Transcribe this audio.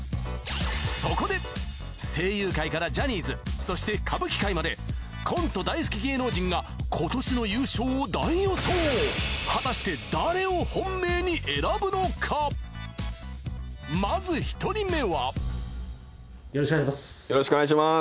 そこで声優界からジャニーズそして歌舞伎界までコント大好き芸能人が今年の優勝を大予想果たして誰を本命に選ぶのかまず１人目はよろしくお願いします